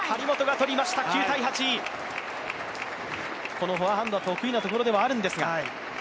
このフォアハンドは得意なところではあるんですが。